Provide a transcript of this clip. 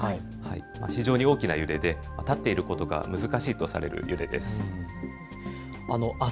非常に大きな揺れで立っていることが難しいとされる揺れです。